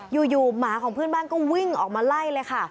หมาของเพื่อนบ้านก็วิ่งออกมาไล่เลยค่ะ